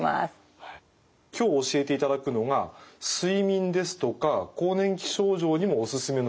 今日教えていただくのが睡眠ですとか更年期症状にもオススメのヨガ。